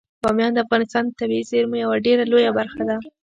بامیان د افغانستان د طبیعي زیرمو یوه ډیره لویه برخه ده.